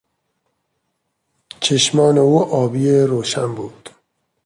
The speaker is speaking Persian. چشمان او آبی روشن بود.